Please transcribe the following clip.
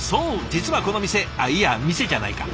実はこの店あっいや店じゃないか。